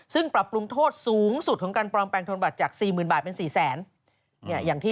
ซึ่งปรับปรุงโทษสูงสุดของการปลอมแปลงธนบัตรจาก๔๐๐๐บาทเป็น๔แสน